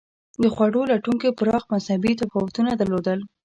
د خوړو لټونکو پراخ مذهبي تفاوتونه درلودل.